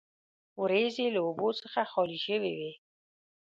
وریځې له اوبو څخه خالي شوې وې.